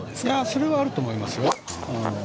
それはあると思いますよ。